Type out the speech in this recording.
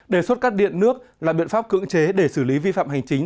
đề xuất cắt điện nước là biện pháp cưỡng chế để xử lý vi phạm hành chính